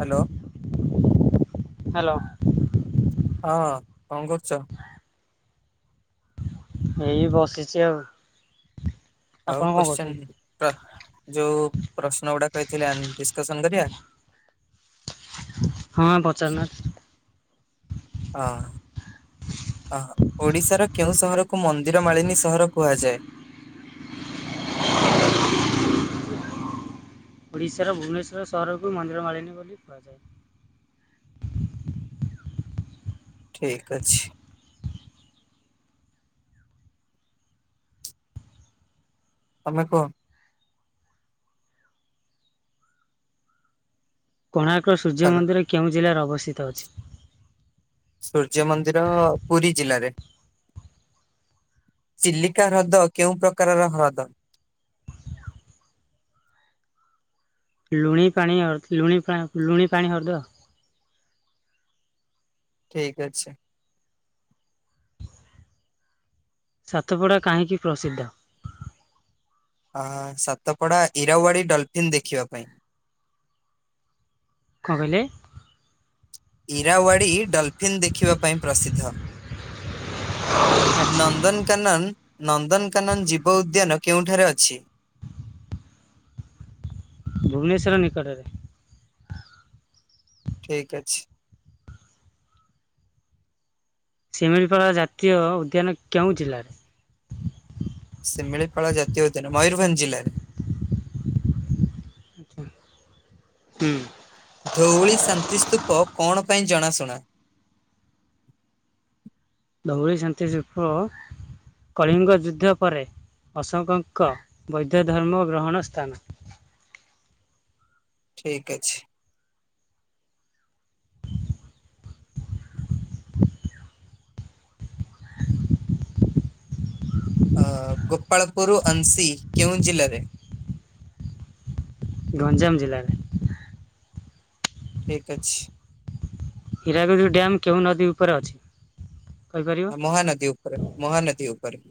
Hello. Hello. ହଁ କଣ କରୁଛ? ଏଇ ବସିଛି ଆଉ। ଆଉ ଆପଣ କଣ କରୁଛନ୍ତି? କୋଶ୍ଚିନର ଯୋଉ ପ୍ରଶ୍ନ ଗୁଡା କହିଥିଲି ଆନ୍ ଡିସ୍କସନ କରିବା? ହଁ ପଚାରୁନ। ହଁ। ଅ ଓଡିଶାର କେଉଁ ସହରକୁ ମନ୍ଦିର ମାଳିନୀ ସହର କୁହାଯାଏ? ଓଡ଼ିଶାର ଭୁବନେଶ୍ୱର ସହରକୁ ମନ୍ଦିର ମାଳିନୀ ବୋଲି କୁହାଯାଏ। ଠିକ୍ ଅଛି। ତମେ କୁହ? କୋଣାର୍କ ସୂର୍ଯ୍ୟ ହ୍ୟାଲୋ। ମନ୍ଦିର କେଉଁ ଜିଲ୍ଲାରେ ଅବସ୍ଥିତ ଅଛି? ସୂର୍ଯ୍ୟ ମନ୍ଦିର, ପୁରୀ ଜିଲ୍ଲାରେ। ଚିଲିକା ହ୍ରଦ କେଉଁ ପ୍ରକାର ର ହ୍ରଦ? ଲୁଣି ପାଣି ଆଉ ଲୁଣି ପା ଲୁଣି ପାଣି ହ୍ରଦ। ଠିକ ଅଛି। ସାତପଡ଼ା କାହିଁକି ପ୍ରସିଦ୍ଧ? ଅ ସାତପଡା ଇରାୱାଡି ଡଲଫିନ୍ ଦେଖିବା ପାଇଁ। କଣ କହିଲେ? ଇରାୱାଡ଼ି ଡଲ୍ଫିନ୍ ଦେଖିବା ପାଇଁ ପ୍ରସିଦ୍ଧ। ଆଚ୍ଛା ନନ୍ଦନକାନନ ନନ୍ଦନକାନନ ଜୀବ ଉଦ୍ୟାନ କେଉଁଠାରେ ଅଛି? ଭୁବନେଶ୍ୱର ନିକଟରେ। ଠିକ ଅଛି। ଶିମିଳିପାଳ ଜାତୀୟ ଉଦ୍ୟାନ କେଉଁ ଜିଲ୍ଲାରେ? ଶିମିଳିପାଳ ଜାତୀୟ ଉଦ୍ୟାନ ମୟୂରଭଞ୍ଜ ଜିଲ୍ଲାରେ। ହୁଁ। ଧଉଳି ଶାନ୍ତିସ୍ତୂପ କଣ ପାଇଁ ଜଣାଶୁଣା? ଧୋଉଳି ଶାନ୍ତି ସୁପ କଳିଙ୍ଗ ଯୁଦ୍ଧ ପରେ ଅଶୋକଙ୍କ ବୈଦ୍ଧ ଧର୍ମ ଗ୍ରହଣ ସ୍ଥାନ। ଠିକ ଅଛି। ଅ ଗୋପାଳପୁର ଅଂଶୀ କେଉଁ ଜିଲ୍ଲାରେ? ଗଞ୍ଜାମ ଜିଲ୍ଲାରେ। ଠିକ୍ ଅଛି। ହୀରାକୁଦ୍ ଡ୍ୟାମ୍ କେଉଁ ନଦୀ ଉପରେ ଅଛି କହିପାରିବେ? ମହାନଦୀ ଉପରେ ମହାନଦୀ ଉପରେ।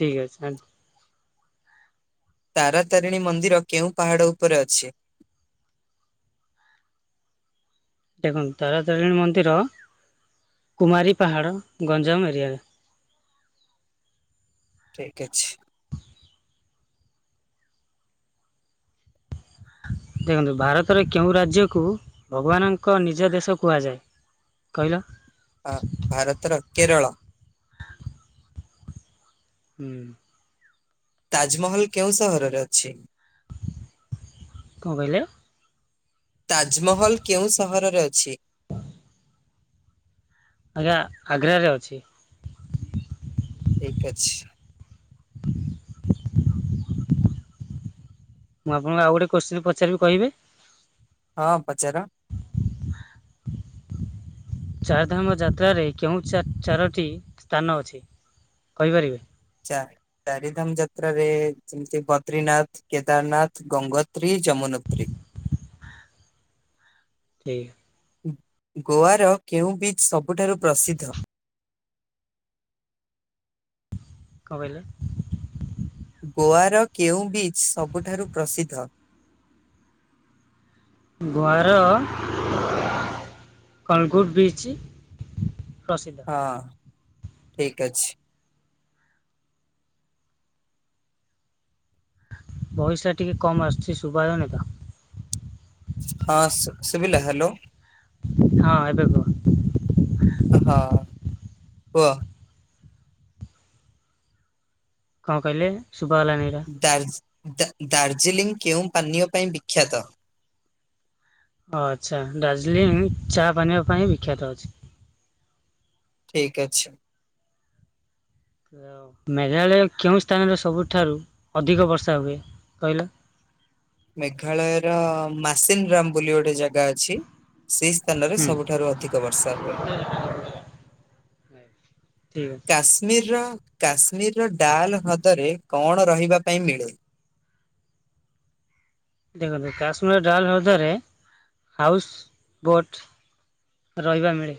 ଠିକ୍ ଅଛି ଆ ତାରାତାରିଣୀ ମନ୍ଦିର କେଉଁ ପାହାଡ଼ ଉପରେ ଅଛି। ଦେଖନ୍ତୁ ତାର ତାରିଣୀ ମନ୍ଦିର କୁମାରୀ ପାହାଡ଼ ଗଞ୍ଜାମ ଏରିଆରେ। ଠିକ୍ ଅଛି। ଦେଖନ୍ତୁ ଭାରତରେ କେଉଁ ରାଜ୍ୟକୁ ଭଗବାନଙ୍କ ନିଜ ଦେଶ କୁହାଯାଏ? କହିଲ? ଅ ଭାରତର କେରଳ। ହୁଁ। ତାଜମହଲ କେଉଁ ସହରରେ ଅଛି? କଁ କହଲେ? ତାଜମହଲ କେଉଁ ସହରରେ ଅଛି? ଆଜ୍ଞା ଆଗ୍ରାରେ ଅଛି। ଠିକ୍ ଅଛି। ମୁଁ ଆପଣଙ୍କୁ ଆଉ ଗୋଟେ କୋଶ୍ଚିନ୍ ପଚାରିବି କହିବେ? ହଁ ପଚାର। ଚାରିଧାମ ଯାତ୍ରାରେ କେଉଁ ଚାରୋଟି ସ୍ଥାନ ଅଛି। କହିପାରିବେ? ଚା-ଚାରିଧାମ ଯାତ୍ରାରେ ଯେମିତି ବଦ୍ରିନାଥ୍ କେଦାରନାଥ, ଗଙ୍ଗୋତ୍ରୀ, ଯମନୋତ୍ରୀ ଠିକ୍। ଗୋଆର କେଉଁ ବିଚ୍ ସବୁଠାରୁ ପ୍ରସିଦ୍ଧ? କଣ କହିଲେ? ଗୋଆର କେଉଁ ବିଚ୍ ସବୁଠାରୁ ପ୍ରସିଦ୍ଧ? ଗୋଆର କଣଗୁଟ୍ ବିଚ୍ ପ୍ରସିଦ୍ଧ ହଁ ଠିକ୍ ଅଛି। ଭଏସ୍ ଟିକେ କମ ଆସୁଛି ସୁଭାଜାଉନି ତ ହଁ ସୁ-ସୁଭିଲା ହାଲୋ ହଁ ଏବେ କୁହ। ହଁ କୁହ। କଣ କହିଲେ ଶୁଭା ଗଲାନି ଏଇଟା ଦାର୍ଜ-ଦାର୍ଜିଲିଂ କେଉଁ ପାନୀୟ ପାଇଁ ବିଖ୍ୟାତ? ଓ ଆଚ୍ଛା ଦାର୍ଜିଲିଂ ଚା ପାନିଅ ପାଇଁ ବିଖ୍ୟାତ ଅଛି। ଠିକ୍ ଅଛି। ମେଘାଳୟ କେଉଁ ସ୍ଥାନରେ ସବୁଠାରୁ ଅଧିକ ବର୍ଷା ହୁଏ କହିଲ? ମେଘାଳୟର ମାସିନ୍ ରାମ୍ ବୋଲି ଗୋଟେ ଜାଗା ଅଛି। ସେଇ ସ୍ଥାନରେ ହୁଁ ସବୁଠାରୁ ଅଧିକ ବର୍ଷା ହୁଏ। ଠିକ୍ ଅଛି କାଶ୍ମୀରିର କାଶ୍ମୀରିର୍ ଡାଲ୍ ହ୍ରଦରେ କଣ ରହିବା ପାଇଁ ମିଳେ? ଦେଖନ୍ତୁ କାଶ୍ମୀର୍ ଡାଲ୍ ହ୍ରଦ୍ଦରେ ହାଉସ୍ ବୋଟ୍ ରହିବା ମିଳେ।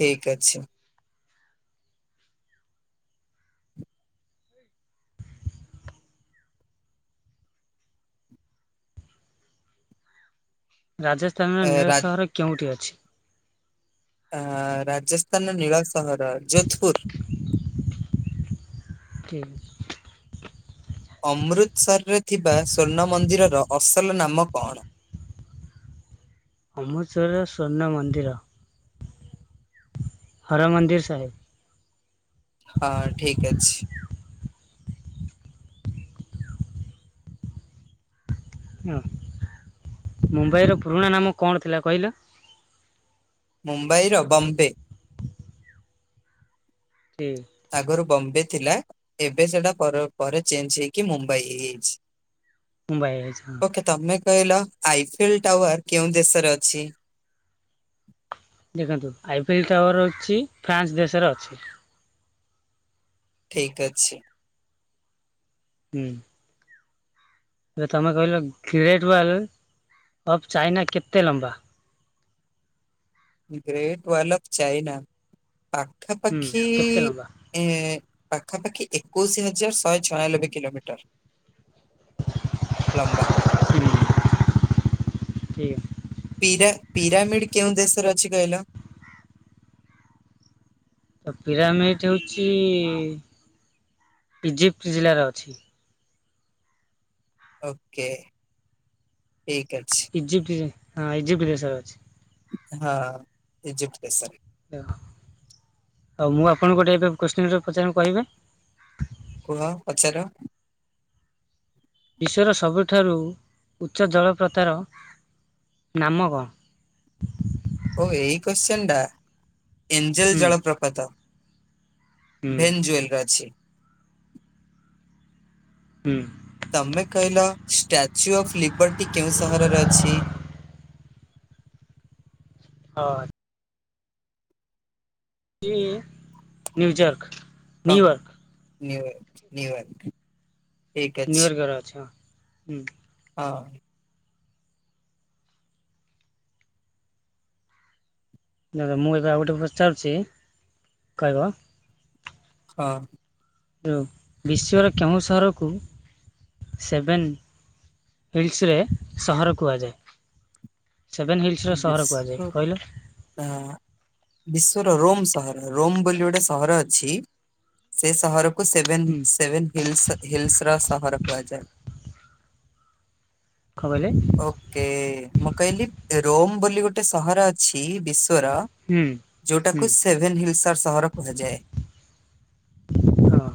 ଠିକ୍ ଅଛି। ରାଜସ୍ଥାନର ନୀଳ ରା ସହର କେଉଁଠି ଅଛି? ଅ ରାଜସ୍ଥାନ ର ନୀଳ ସହର ଯୋଧ୍ ପୁର୍। ଠିକ୍ ଅଛି। ଅମୃତସରରେ ଥିବା ସ୍ୱର୍ଣ୍ଣ ମନ୍ଦିରର ଅସଲ ନାମ କଣ? ଅମୃତସରର ସ୍ୱର୍ଣ୍ଣ ମନ୍ଦିର? ହର ମନ୍ଦିର ସାହେବ୍। ହଁ ଠିକ ଅଛି। ହଁ ମୁମ୍ବାଇର ପୁରୁଣା ନାମ କଣ ଥିଲା କହିଲ? ମୁମ୍ବାଇ ର ବମ୍ବେ। ଠିକ୍। ଆଗରୁ ବମ୍ବେ ଥିଲା। ଏବେ ସେଟା ପର ପରେ ଚେଞ୍ଜ୍ ହେଇକି ମୁମ୍ବାଇ ହେଇଯାଇଛି। ମୁମ୍ବାଇ ହେଇଛି ହଁ। ଓକେ ତମେ କହିଲ ଆଇଫିଲ୍ ଟାୱାର କେଉଁ ଦେଶରେ ଅଛି? ଦେଖନ୍ତୁ ଆଇଫିଲ ଟାୱାର ଅଛି ଫ୍ରାନ୍ସ ଦେଶରେ ଅଛି। ଠିକ ଅଛି। ହୁଁ। ଏବେ ତମେ କହିଲ ଗ୍ରେଟ୍ ୱାଲ୍ ଅଫ୍ ଚାଇନା କେତେ ଲମ୍ବା? ଗ୍ରେଟ୍ ୱାଲ ଅଫ୍ ଚାଇନା ହୁଁ ପାଖାପାଖି କେତେ ଲମ୍ବା? ଏଁ ପାଖାପାଖି ଏକୋଇଶି ହଜାର ଶହେ ଛୟାଲବେ କିଲୋମିଟର। ଲମ୍ବା। ହୁଁ ଠିକ୍। ପିରା ପିରାମିଡ କେଉଁ ଦେଶରେ ଅଛି କହିଲ? ତ ପିରାମିଡ଼ ହେଉଚି ଇଜିପ୍ଟ୍ ଜିଲ୍ଲାରେ ଅଛି। ଓକେ ଠିକ ଅଛି। ଇଜିପ୍ଟି ହଁ ଇଜିପ୍ଟ୍ ଦେଶରେ ଅଛି। ହଁ ଇଜିପ୍ଟ୍ ଦେଶରେ। ହଉ ଆଉ ମୁଁ ଆପଣଙ୍କୁ ଗୋଟେ ଏବେ କ୍ୱେଶ୍ଚିନ ଟେ ପଚାରିମି କହିବେ? କୁହ ପଚାର। ବିଶ୍ୱର ସବୁଠାରୁ ଉଚ୍ଚ ଜଳପ୍ରତାର ନାମ କଣ? ଓ ଏଇ କ୍ୱେଶ୍ଚିନ୍ ଟା ଏଞ୍ଜେଲ ହୁଁ ଜଳପ୍ରପାତ। ହୁଁ ଭେନ୍ ଜୁଏଲ୍ ରେ ଅଛି। ହୁଁ। ତମେ କହିଲ ଷ୍ଟାଚୁ ଅଫ୍ ଲିବର୍ଟି କେଉଁ ସହରରେ ଅଛି? ଅ ଇ ନ୍ୟୁଜର୍କ। କଁ ନ୍ୟୁୟର୍କ ନ୍ୟୁୟର୍ ନ୍ୟୁୟର୍କ। ଠିକ ଅଛି ନ୍ୟୁୟର୍କ ରେ ଅଛ ହୁଁ। ହଁ। ଧର ମୁଁ ଏବେ ଆଉ ଗୋଟେ ପଚାରୁଛି କହିବ? ହଁ। ଯେଉଁ ବିଶ୍ୱର କେଉଁ ସହରକୁ ସେଭେନ୍ ହିଲ୍ସରେ ସହର କୁହାଯାଏ। ସେଭେନ୍ ହିଲ୍ସ ର ସହର କୁହାଯାଏ। କହିଲ? ଏହା ବିଶ୍ଵର ରୋମ ସହର। ରୋମ ବୋଲି ଗୋଟେ ସହର ଅଛି ସେ ସହର। କୁ ସେଭେନ ହୁଁ ସେଭେନ ହିଲ୍ସ ହିଲ୍ସର ସହର କୁହାଯାଏ। କଁ କହିଲେ? କେ ମୁଁ କହିଲି ରୋମ ବୋଲି ଗୋଟେ ସହର ଅଛି ବିଶ୍ଵର ହୁଁ ହୁଁ ଯୋଉଟାକୁ ସେଭେନ ହିଲ୍ସର ସହର କୁହାଯାଏ। ହଁ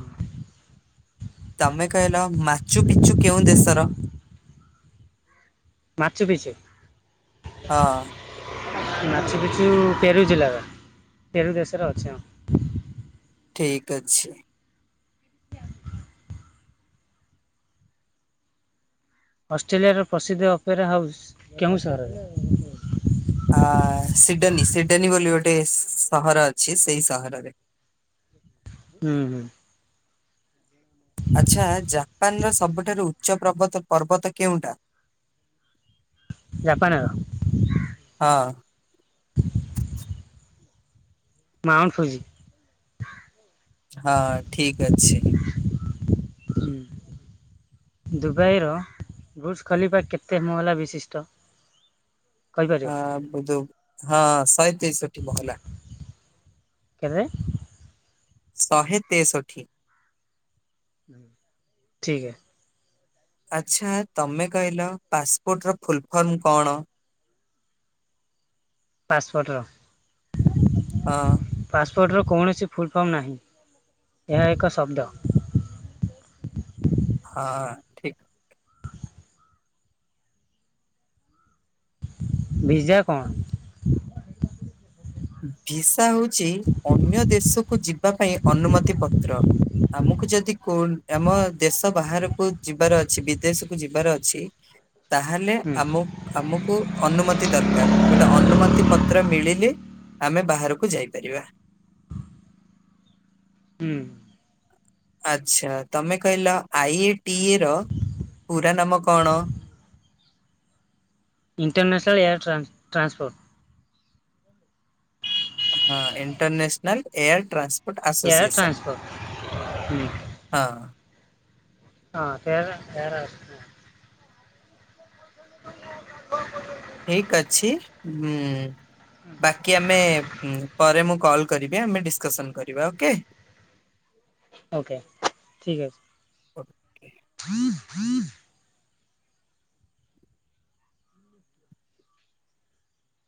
ତମେ କହିଲ ମାଚୁ ପିଚୁ କେଉଁ ଦେଶର? ମାଚୁ ପିଚୁ। ହଁ। ମାଛ ପିଛୁ! ପେରୁ ଜିଲ୍ଲାର, ପେରୁ ଦେଶରେ ଅଛି ଆମ ଠିକ୍ ଅଛି। ଅଷ୍ଟ୍ରେଲିଆର ପ୍ରସିଦ୍ଧ ଅପେରା ହାଉସ୍ କେଉଁ ସହରରେ? ଆ, ସିଡନୀ! ସିଡନୀ ବୋଲି ଗୋଟେ ସହର ଅଛି, ସେଇ ସହରରେ। ହୁଁ, ହୁଁ। ଆଚ୍ଛା, ଜାପାନର ସବୁଠାରୁ ଉଚ୍ଚ ପ୍ରବତ ପର୍ବତ କେଉଁଟା? ଜାପାନାର ହଁ। Mount Fuji. ହଁ ଠିକ୍ ଅଛି। ହୁଁ ଦୁବାଇର ବୁର୍ଜ ଖଲିଫା କେତେ ମହଲା ବିଶିଷ୍ଟ? କହିପାରିବ ଆ, ବୁଧୁ! ହଁ, ଶହେ ତେଇଶ। ମହଲା, କେତେ? ଶହେ ତେଷଠି। ଠିକ୍ ହେ। ଆଚ୍ଛା, ତମେ କହିଲ ପାସପୋର୍ଟ ର ଫୁଲଫର୍ମ କଣ? ପାସ୍ପୋର୍ଟର ହଁ। ପାସ୍ପୋର୍ଟର କୌଣସି ଫୁଲ୍ଫର୍ମ ନାହିଁ, ଏହା ଏକ ଶବ୍ଦ। ହଁ, ଠିକ୍। ଭିଜ୍ଜା କଣ? ଭିସା ହଉଛି, ଅନ୍ୟ ଦେଶକୁ କୁ ଯିବା ପାଇଁ ଅନୁମତି ପତ୍ର। ଆମକୁ ଯଦି କୋଣ ଆମ ଦେଶ ବାହାରକୁ ଯିବାର ଅଛି। ବିଦେଶ କୁ ଯିବାର ଅଛି, ତାହେଲେ ହୁଁ ଆମକୁ ଆମକୁ ଅନୁମତି ଦରକାର। ଗୋଟେ ଅନୁମତି ପତ୍ର ମିଳିଲେ ଆମେ ବାହାରକୁ ଯାଇପାରିବା। ହୁଁ। ଆଛା, ତମେ କହିଲ, ଆଇ ଏ ଟି ଏ ର ପୁରା ନାମ କଣ? ଇଣ୍ଟରନେସ୍ନାଲ୍ ଏୟାର ଟ୍ରାନ୍-ଟ୍ରାସପୋର୍ଟ ହଁ, international air transport air association. Transport ହୁଁ ହଁ। ହଁ [unintelligible] [inaudible] ଠିକ୍ ଅଛି। ହୁଁ, ବାକି ଆମେ ପରେ, ମୁଁ କଲ୍ କରିବେ। ଆମେ ଡିସ୍କସନ କରିବା ଓକେ? ଓକେ! ଠିକ୍ ଅଛି।